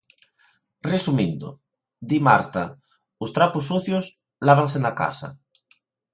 Resumindo: Di Marta: "Os trapos sucios lávanse na casa".